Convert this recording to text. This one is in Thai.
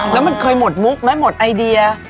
แล้วมันเคยหมดมุกไหมหมดไอเดีย